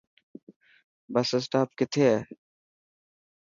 بس اسٽاپ ڪٿي هي.